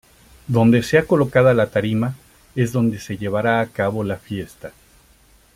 Donde sea colocada la tarima es donde se llevará a cabo la fiesta.